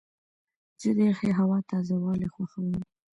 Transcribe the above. زه د یخې هوا تازه والی خوښوم.